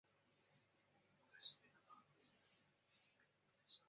此书具体反映出中古时期具有资产思想的人解放与追求的理念。